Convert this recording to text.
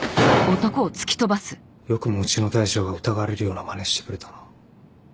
よくもうちの大将が疑われるようなマネしてくれたな。